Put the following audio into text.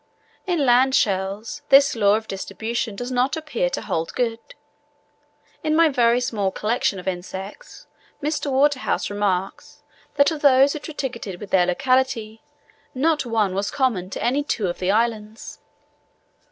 In land shells this law of distribution does not appear to hold good. In my very small collection of insects, Mr. Waterhouse remarks, that of those which were ticketed with their locality, not one was common to any two of the islands.